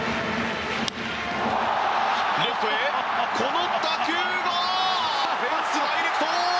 レフトへこの打球はフェンスダイレクト！